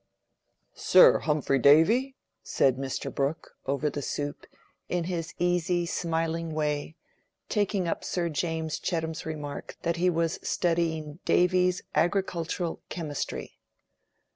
'" "Sir Humphry Davy?" said Mr. Brooke, over the soup, in his easy smiling way, taking up Sir James Chettam's remark that he was studying Davy's Agricultural Chemistry.